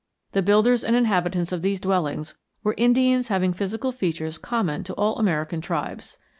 The builders and inhabitants of these dwellings were Indians having physical features common to all American tribes.